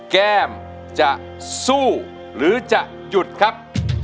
แก้มจะสู้หรือจะหยุดครับ